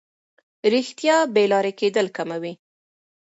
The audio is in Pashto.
رښتیا بې لارې کېدل کموي.